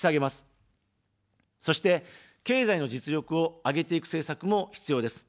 そして、経済の実力を上げていく政策も必要です。